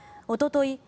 おととい